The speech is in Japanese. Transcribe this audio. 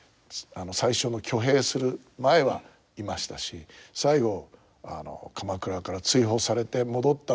最初の挙兵する前はいましたし最後鎌倉から追放されて戻ったのも同じ所ですから。